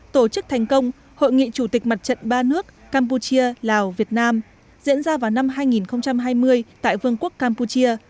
tổ chức thành công hội nghị chủ tịch mặt trận ba nước campuchia lào việt nam diễn ra vào năm hai nghìn hai mươi tại vương quốc campuchia